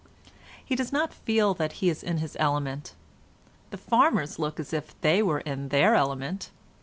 He does not feel that he is in his element. The farmers look as if they were in their element.